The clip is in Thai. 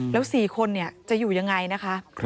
แล้ว๔คนจะอยู่ยังไงนะคะ